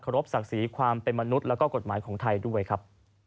รบศักดิ์ศรีความเป็นมนุษย์แล้วก็กฎหมายของไทยด้วยครับ